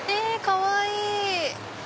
かわいい！